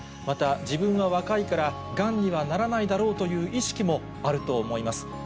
また、自分は若いから、がんにはならないだろうという意識もあると思います。